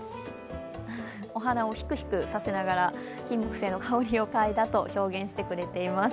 お鼻をひくひくさせながら、金もくせいの香りをかいだと表現してくれています。